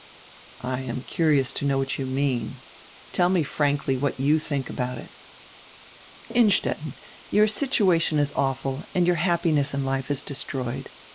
"I am curious to know what you mean. Tell me frankly what you think about it." "Innstetten, your situation is awful and your happiness in life is destroyed.